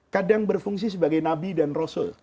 kadang berfungsi sebagai nabi dan rasul